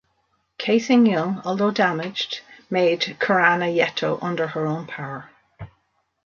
"Cassin Young", although damaged, made Kerama Retto under her own power.